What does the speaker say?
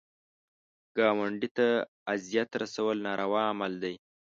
ګاونډي ته اذیت رسول ناروا عمل دی